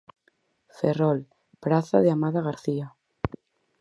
Ferrol, Praza de Amada García.